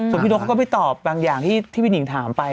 ส่วนพี่นกเขาก็ไปตอบบางอย่างที่พี่หนิงถามไป